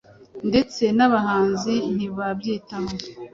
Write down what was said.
ndetse n’ababizi ntibabyitaho.